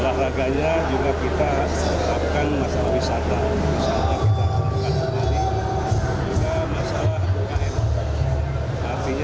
olahraganya juga kita harapkan masalah wisata masalah kemahir juga masalah kemahir